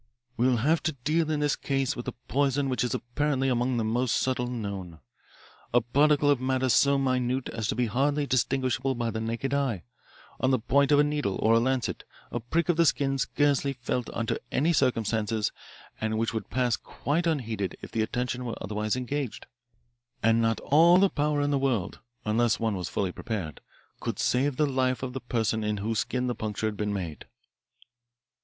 "We have to deal in this case with a poison which is apparently among the most subtle known. A particle of matter so minute as to be hardly distinguishable by the naked eye, on the point of a needle or a lancet, a prick of the skin scarcely felt under any circumstances and which would pass quite unheeded if the attention were otherwise engaged, and not all the power in the world unless one was fully prepared could save the life of the person in whose skin the puncture had been made."